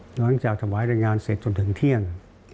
หลังจากถวายรายงานเสร็จจนถึงเที่ยง